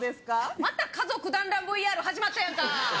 また家族団らんＶＲ始まったやんか。